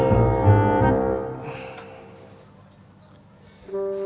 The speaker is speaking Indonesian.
di s karla